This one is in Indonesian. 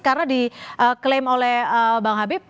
karena diklaim oleh bang habib